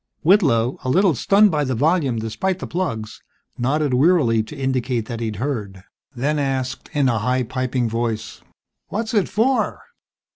Whitlow, a little stunned by the volume despite the plugs, nodded wearily, to indicate that he'd heard, then asked, in a high, piping voice, "What's it for?"